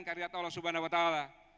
karyat allah subhanahu wa ta'ala